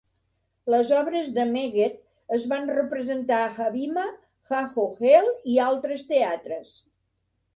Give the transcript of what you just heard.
Les obres de Megged es van representar a Habima, Ha-Ohel i altres teatres.